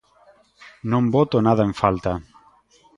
Non boto nada en falta.